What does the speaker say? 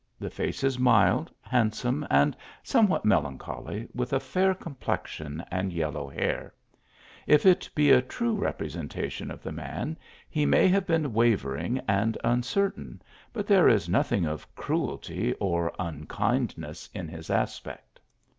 The face is mild, handsome and somewhat melancholy, with a fair complexion and yellow hair ; if it be a true repre sentation of the man, he may have been wavering and uncertain, but there is nothing of cruelty or un kindness in his aspect.